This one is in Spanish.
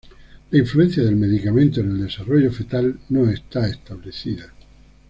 La influencia del medicamento en el desarrollo fetal no está establecida.